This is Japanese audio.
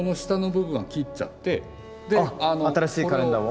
あっ新しいカレンダーを？